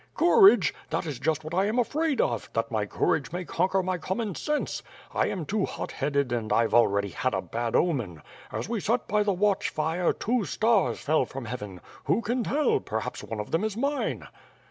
"Courage! That is just what I am afraid of, that my cour age may conquer my common sense. I am too hot headed and Fve already had a bad omen. As we sat by the watch fire, two stars fell from heaven. Who can tell? Perhaps one of them is mine?"